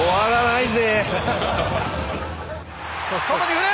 外に振る！